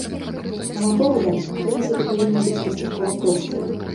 На мой погляд, прынцыпы павінны быць дастаткова простыя.